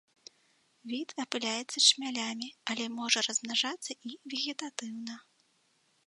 Від апыляецца чмялямі, але можа размнажацца і вегетатыўна.